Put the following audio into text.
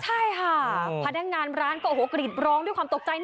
ใช่ค่ะพนักงานร้านก็โอ้โหกรีดร้องด้วยความตกใจ